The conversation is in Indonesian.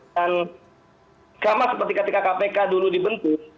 dan sama seperti ketika kpk dulu dibentuk